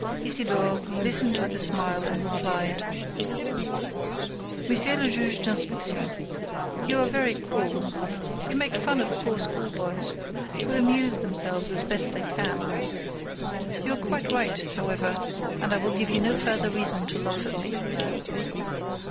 Isidore listened with a smile and replied: "Monsieur le Juge d'Instruction, you are very cruel. You make fun of poor schoolboys who amuse themselves as best they can. You are quite right, however, and I will give you no further reason to laugh at me."